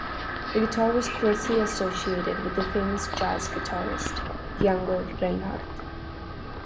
The guitar was closely associated with famed jazz guitarist Django Reinhardt.